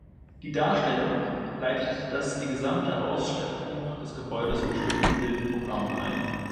Die Darstellung leitet das die gesamte Ausstattung des Gebäudes bestimmende Bildprogramm ein.